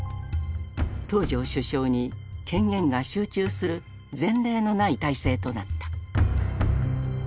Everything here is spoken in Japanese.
東條首相に権限が集中する前例のない体制となった。